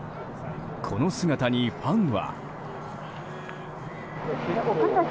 この姿にファンは。